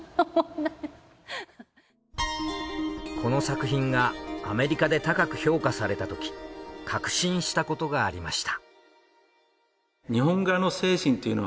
この作品がアメリカで高く評価されたとき確信したことがありました。